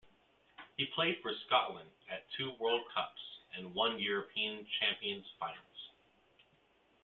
He played for Scotland at two World Cups and one European Champions finals.